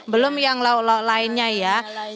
belum yang lauk lauk lainnya ya